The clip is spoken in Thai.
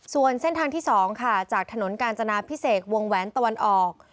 ส่วนเส้นทางที่๒ค่ะจากถนนกาญจนาพิเศษวงแหวนตะวันออก